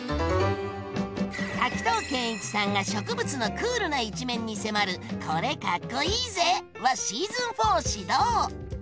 滝藤賢一さんが植物のクールな一面に迫る「これ、かっこイイぜ！」はシーズン４始動！